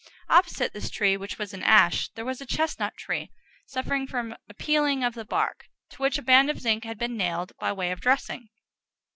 Opposite this tree, which was an ash, there was a chestnut tree, suffering from a peeling of the bark, to which a band of zinc had been nailed by way of dressing.